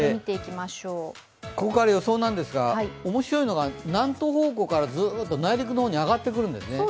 ここから予想なんですが、面白いのは南東方向からずーっと内陸の方に上がってくるんですね。